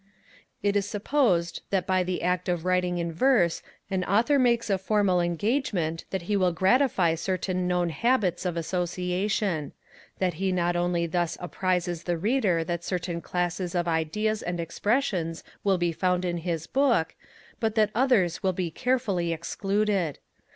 It is supposed that by the act of writing in verse an Author makes a formal engagement that he will gratify certain known habits of association; that he not only thus apprises the Reader that certain classes of ideas and expressions will be found in his book, but that others will be carefully excluded.